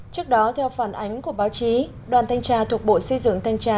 trước đó theo phản ánh của báo chí đoàn thanh tra thuộc bộ xây dựng thanh tra